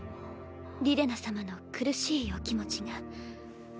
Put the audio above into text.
リレナ様の苦しいお気持ちが。